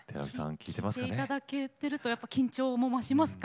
聴いていただけてるとやっぱ緊張も増しますか？